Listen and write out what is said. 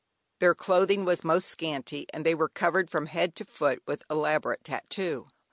Their clothing was most scanty and they were covered from head to foot with elaborate "tattoo."